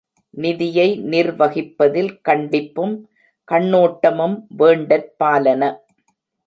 நிதியை நிர்வகிப்பதில் கண்டிப்பும், கண்ணோட்டமும் வேண்டற்பாலன.